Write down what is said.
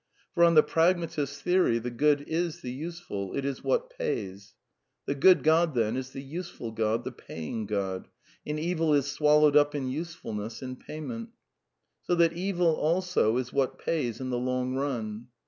\ For, on the pragmatist's theory, the good is the useful ; it \ is what pays. The good God, then, is the useful God, the 1 paying God; and Evil is swallowed up in usefulness, in 1 payment. So that Evil, also, is what pays in the long run.